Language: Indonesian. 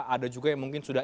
ada juga yang mungkin sudah